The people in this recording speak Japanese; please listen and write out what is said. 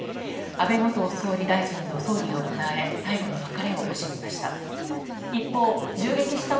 安倍元総理大臣の葬儀が行われ最後の別れを惜しみました。